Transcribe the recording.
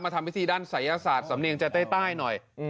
มาทำพิธีด้านสายอาศาสตร์สำเนียงจะใต้ใต้หน่อยอืม